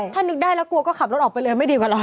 ถ้านึกได้แล้วกลัวก็ขับรถออกไปเลยไม่ดีกว่าเหรอค